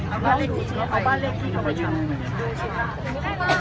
เอาบ้านเลขที่เขาไปชำ